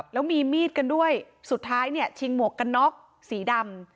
และมีมีดกันด้วยสุดท้ายชิงหมวกกะน๊อกสีดำ